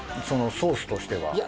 そのソースとしては。